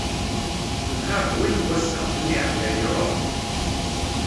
Lxiṛ d win n wass-a, win iɛeddan, iṛuḥ.